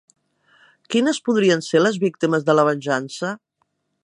Quines podrien ser les víctimes de la venjança?